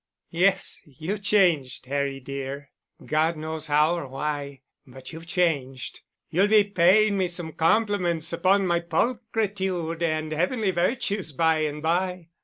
"Yes, you've changed, Harry dear. God knows how or why—but you've changed. You'll be paying me some compliments upon my pulchritude and heavenly virtues by and by."